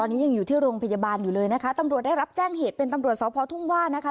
ตอนนี้ยังอยู่ที่โรงพยาบาลอยู่เลยนะคะตำรวจได้รับแจ้งเหตุเป็นตำรวจสพทุ่งว่านะคะ